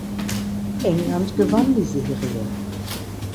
England gewann die Serie.